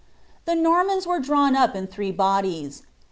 ' The Normans were drawn up in three bodies.